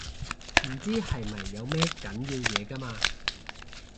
唔知係咪有咩緊要嘢㗎嘛